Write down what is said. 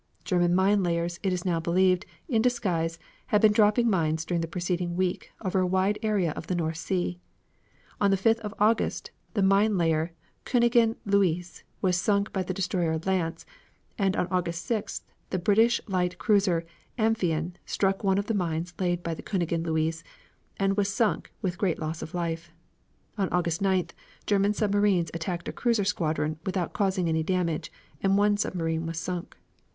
German mine layers, it is now believed, in disguise, had been dropping mines during the preceding week over a wide area of the North Sea. On the 5th of August the mine layer, Koenigen Luise, was sunk by the destroyer Lance, and on August 6th the British light cruiser Amphion struck one of the mines laid by the Koenigen Luise and was sunk with great loss of life. On August 9th, German submarines attacked a cruiser squadron without causing any damage, and one submarine was sunk.